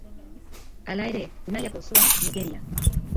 Hala ere, nahiago zuen Nigeria.